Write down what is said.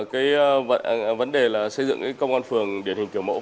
cái vấn đề là xây dựng cái công an phường điển hình kiểu mẫu